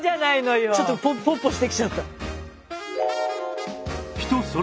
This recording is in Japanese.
ちょっとポッポしてきちゃった。